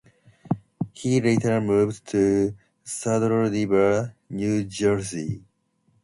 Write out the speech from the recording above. He later moved to Saddle River, New Jersey.